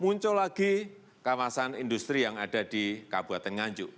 muncul lagi kawasan industri yang ada di kabupaten nganjuk